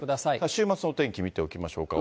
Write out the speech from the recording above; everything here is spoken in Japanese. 週末の天気見ておきましょうか。